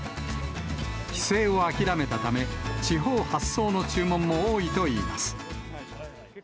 帰省を諦めたため、地方発送の注文も多いといいます。